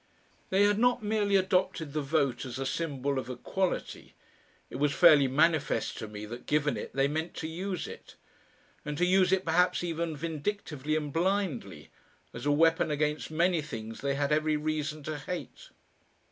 They had not merely adopted the Vote as a symbol of equality; it was fairly manifest to me that, given it, they meant to use it, and to use it perhaps even vindictively and blindly, as a weapon against many things they had every reason to hate....